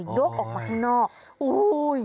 ยกออกมาข้างนอกอุ้ย